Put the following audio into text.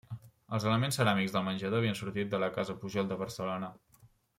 Els elements ceràmics del menjador havien sortit de la casa Pujol de Barcelona.